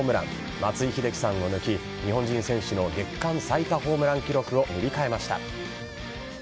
松井秀喜さんを抜き日本人選手の月間最多ホームラン記録を塗り替えました。